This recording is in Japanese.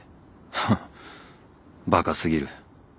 フッバカ過ぎる。